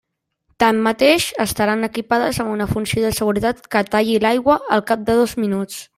Tanmateix, estaran equipades amb una funció de seguretat que talli l'aigua al cap de dos minuts.